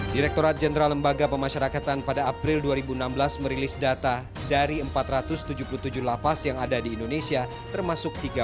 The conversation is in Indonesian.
direkturat jenderal lembaga pemasyarakatan pada april dua ribu enam belas merilis data dari empat ratus tujuh puluh tujuh lapas yang ada di indonesia termasuk tiga